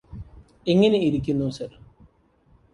എങ്ങെനെ ഇരിക്കുന്നു സർ